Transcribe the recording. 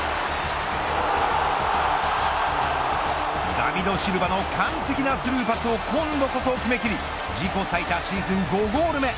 ダビド・シルバの完璧なスルーパスを今度こそ決め切り自己最多シーズン５ゴール目。